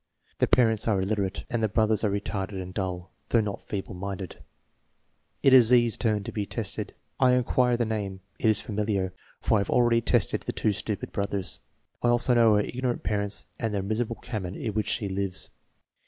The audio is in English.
The parents are illiterate, and the brothers are retarded and dull, though not feeble minded. It is Z's turn to be tested. I inquire the name. It is familiar, for I have already tested the two stupid brothers. I also know her ignorant parents and the miserable cabin in which she lives.